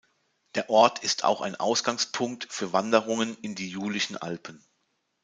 Der Ort ist auch ein Ausgangspunkt für Wanderungen in die Julischen Alpen.